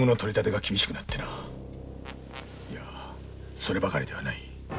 そればかりではない。